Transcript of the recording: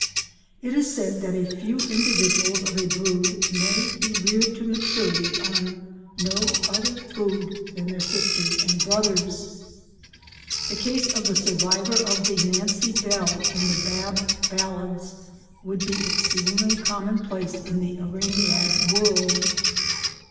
It is said that a few individuals of a brood may be reared to maturity on no other food than their sisters and brothers! The case of the survivor of the "Nancy Bell" in the Bab Ballads would be exceedingly commonplace in the aranead world.